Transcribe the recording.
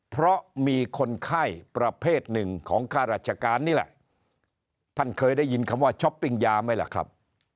เพราะมีคนไข้ประเภทหนึ่งของค่าราชการนี่แหละท่านเคยได้ยินคำว่าช้อปปิ้งยาไหมล่ะครับ